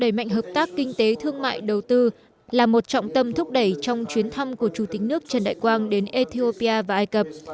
đẩy mạnh hợp tác kinh tế thương mại đầu tư là một trọng tâm thúc đẩy trong chuyến thăm của chủ tịch nước trần đại quang đến ethiopia và ai cập